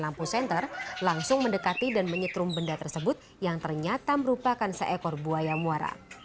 lampu senter langsung mendekati dan menyetrum benda tersebut yang ternyata merupakan seekor buaya muara